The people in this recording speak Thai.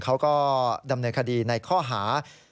เขาก็ดำเนินคดีในข้อหา